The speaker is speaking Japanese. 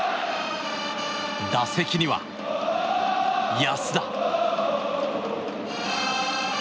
打席には安田。